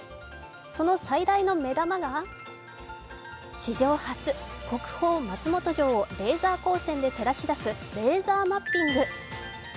その最大の目玉が史上初、国宝・松本城をレーザー光線で照らし出すレーザーマッピング。